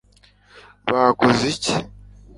bakoze iki